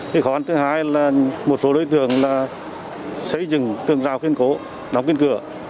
khó khăn thứ hai là một số đối tượng xây dựng tường giao khuyên cố đóng kênh cửa